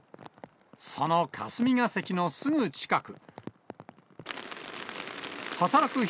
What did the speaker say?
その霞が関のすぐ近く。